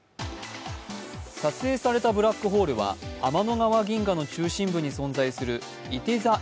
撮影されたブラックホールは天の川銀河の中心部に存在するいて座Ａ